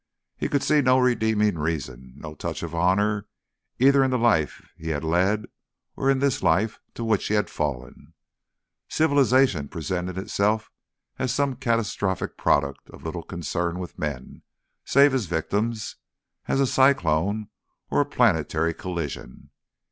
He could see no redeeming reason, no touch of honour, either in the life he had led or in this life to which he had fallen. Civilisation presented itself as some catastrophic product as little concerned with men save as victims as a cyclone or a planetary collision.